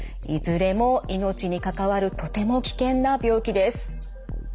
いずれも命に関わるとても危険な病気です。